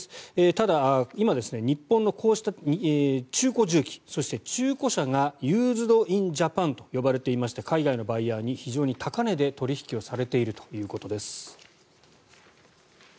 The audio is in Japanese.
ただ、今日本のこうした中古重機そして、中古車がユーズド・イン・ジャパンと呼ばれていまして海外のバイヤーに非常に高値で取引されているということです。